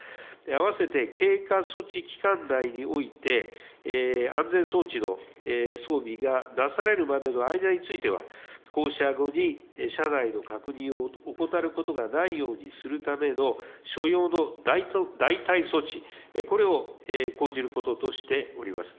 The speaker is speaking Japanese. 併せて経過措置期間内において、安全装置の装備がなされるまでの間については、降車後に車内の確認を怠ることがないようにするための所要の代替措置、これを講じることとしております。